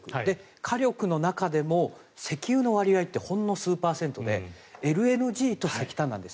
火力の中でも石油の割合ってほんの数パーセントでＬＮＧと石炭なんです。